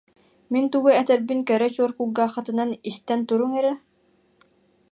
Мин тугу этэрбин кэрэ чуор кулгааххытынан истэн туруҥ эрэ